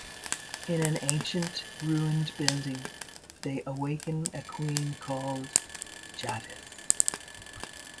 In an ancient, ruined building they awaken a queen called Jadis.